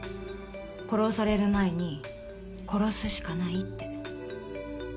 殺される前に殺すしかないって。